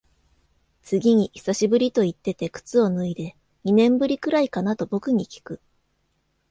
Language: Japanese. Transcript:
次に久しぶりと言ってて靴を脱いで、二年ぶりくらいかなと僕にきく。